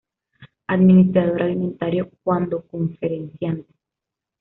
Administrador Alimentario cuando conferenciante.